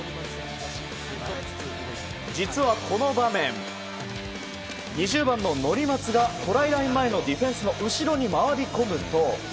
実は、この場面２０番の乗松がトライライン前のディフェンスの後ろに回り込むと。